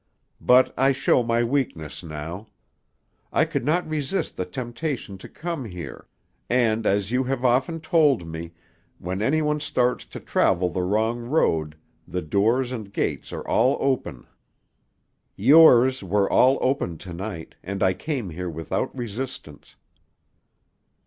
But I show my weakness now. I could not resist the temptation to come here, and, as you have often told me, when anyone starts to travel the wrong road, the doors and gates are all open. Yours were all open to night, and I came here without resistance."